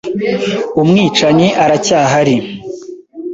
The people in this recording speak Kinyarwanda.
Umwicanyi aracyahari.